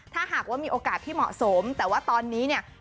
ถ้าหากว่ามีโอกาสที่เหมาะสมแต่ว่าตอนนี้เนี่ย